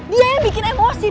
dia yang bikin emosi